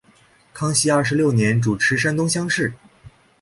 康熙二十六年主持山东乡试。